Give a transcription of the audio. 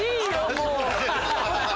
もう。